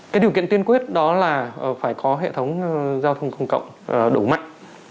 cái điều kiện tiên quyết đó là phải có hệ thống giao thông công cộng đủ mạnh